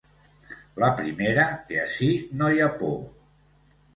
La primera, que ací no hi ha por.